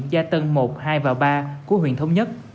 gia tân một hai và ba của huyện thông nhân